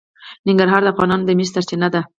ننګرهار د افغانانو د معیشت سرچینه ده.